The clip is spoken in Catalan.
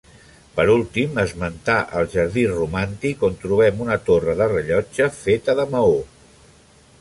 Per últim, esmentar el jardí romàntic on trobem una torre de rellotge feta de maó.